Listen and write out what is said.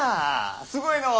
すごいのう。